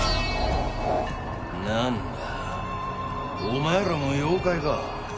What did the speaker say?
なんだお前らも妖怪か。